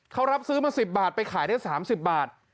เขารับซื้อมา๑๐บาทไปขายได้๓๐บาท